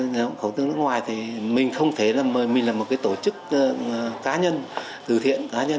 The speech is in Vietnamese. nhập khẩu từ nước ngoài thì mình không thể mình là một cái tổ chức cá nhân từ thiện cá nhân